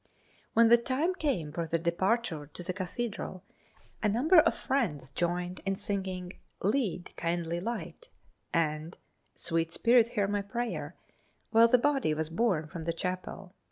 When the time came for the departure to the Cathedral a number of the friends joined in singing "Lead, Kindly Light" and "Sweet Spirit Hear My Prayer" while the body was borne from the chapel.